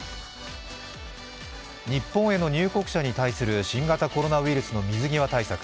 日本への入国者に対する新型コロナウイルスの水際対策。